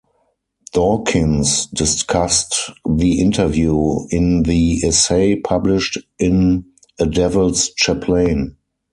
Dawkins discussed the interview in the essay published in "A Devil's Chaplain".